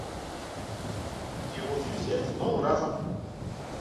І вось усе зноў разам.